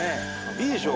いいでしょ？